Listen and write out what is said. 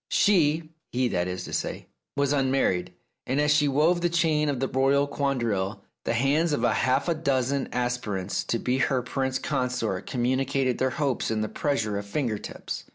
She — he, that is to say— was unmarried, and as she wove the chain of the royal quadrille, the hands of half a dozen aspirants to be her prince consort com municated their hopes in the pressure of finger tips.